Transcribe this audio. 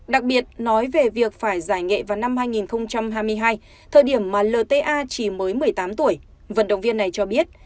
đặc biệt nói về việc phải giải nghệ vào năm hai nghìn hai mươi hai thời điểm mà lta chỉ mới một mươi tám tuổi vận động viên này cho biết